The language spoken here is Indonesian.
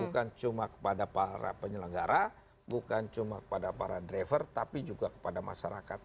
bukan cuma kepada para penyelenggara bukan cuma kepada para driver tapi juga kepada masyarakat